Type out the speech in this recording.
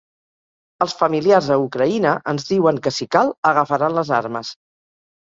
“Els familiars a Ucraïna ens diuen que, si cal, agafaran les armes”